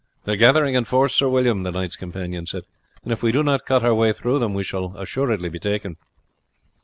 "They are gathering in force, Sir William," the knight's companion said, "and if we do not cut our way through them we shall assuredly be taken."